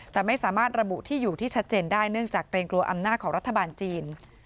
แต่ไม่สามารถระบุที่อยู่ที่ชัดเจนได้เนื่องจากเกรงกลัวอำนาจของรัฐบาลจีน